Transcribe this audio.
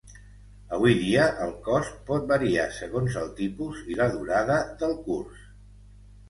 Avui dia el cost pot variar segons el tipus i la durada del curs.